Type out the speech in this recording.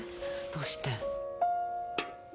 どうして？